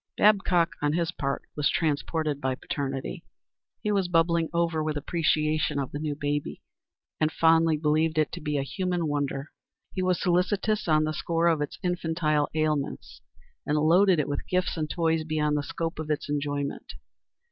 Babcock, on his part, was transported by paternity. He was bubbling over with appreciation of the new baby, and fondly believed it to be a human wonder. He was solicitous on the score of its infantile ailments, and loaded it with gifts and toys beyond the scope of its enjoyment.